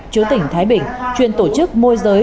trú tỉnh thái bình chuyên tổ chức môi giới